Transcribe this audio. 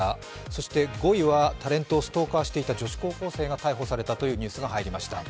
そして、５位はタレントをストーカーしていた女子高校生が逮捕されたというニュースが入りました。